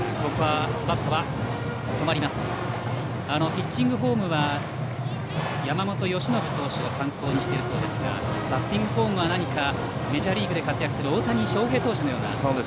ピッチングフォームは山本由伸投手を参考にしているそうですがバッティングフォームはメジャーリーグで活躍する大谷翔平投手のような。